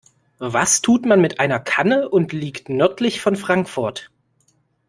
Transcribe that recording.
Was tut man mit einer Kanne und liegt nördlich von Frankfurt?